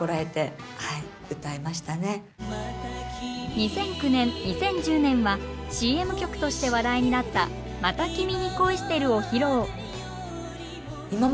２００９年２０１０年はＣＭ曲として話題になった「また君に恋してる」を披露。